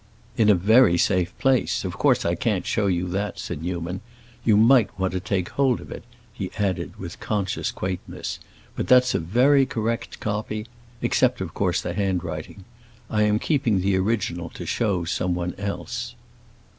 "In a very safe place. Of course I can't show you that," said Newman. "You might want to take hold of it," he added with conscious quaintness. "But that's a very correct copy—except, of course, the handwriting. I am keeping the original to show someone else."